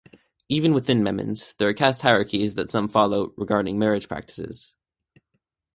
Even within Memons, there are caste hierarchies that some follow regarding marriage practices.